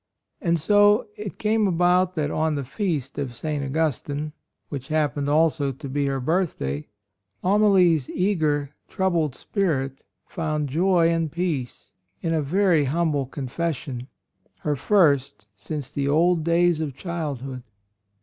And so it came about that on the Feast of St. Augustine, which happened also to be her birthday, Amalie's eager, troubled spirit found joy and peace in a very humble confession — her first since the old days of childhood.